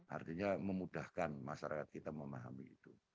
artinya memudahkan masyarakat kita memahami itu